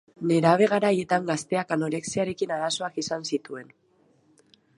Nerabe garaietan gazteak anorexiarekin arazoak izan zituen.